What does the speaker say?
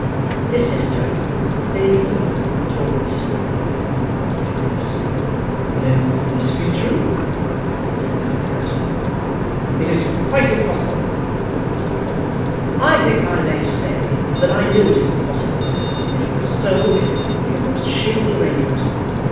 "His sister, Lady Laura, told me so," said Phineas. "Then it must be true," said Madame Goesler. "It is quite impossible," said Lord Fawn. "I think I may say that I know that it is impossible. If it were so, it would be a most shameful arrangement.